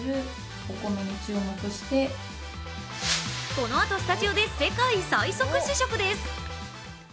このあとスタジオで世界最速試食です。